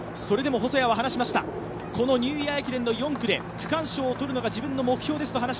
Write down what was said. それでも細谷は話しました、このニューイヤー駅伝の４区で区間賞を取るのが自分の目標ですと。